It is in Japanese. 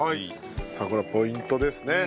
さあこれはポイントですね。